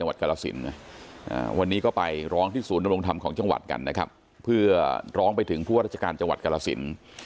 วันนี้เขาก็ไปร้องที่ศูนย์นำลงธรรมของจังหวัดกันนะครับเพื่อร้องไปถึงผู้ราชกาลเกาะวัถกาลสิน